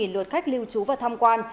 luật khách lưu trú và thăm quan